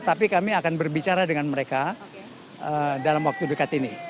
tapi kami akan berbicara dengan mereka dalam waktu dekat ini